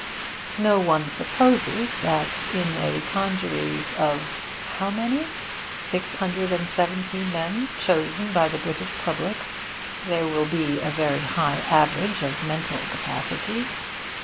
No one supposes that in a congeries of how many? six hundred and seventy men, chosen by the British public, there will be a very high average of mental capacity.